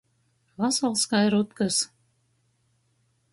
Vasals kai rutkys.